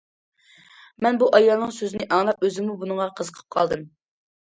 مەن بۇ ئايالنىڭ سۆزىنى ئاڭلاپ، ئۆزۈممۇ بۇنىڭغا قىزىقىپ قالدىم.